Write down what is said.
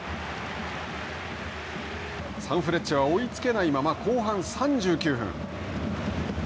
サンフレッチェは追いつけないまま、後半３９分。